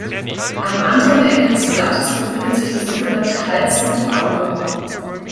Am anderen Ende des Blattes befindet sich der sogenannte Hals mit dem Auge.